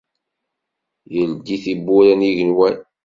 Ildi tibbura n yigenwan.